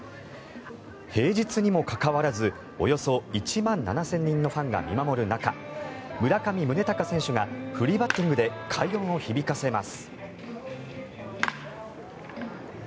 平日にもかかわらずおよそ１万７０００人のファンが見守る中村上宗隆選手がフリーバッティングで快音を響かせます。